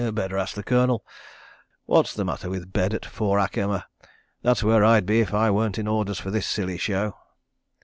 "Better ask the Colonel. What's the matter with bed at four ack emma? That's where I'd be if I weren't in orders for this silly show."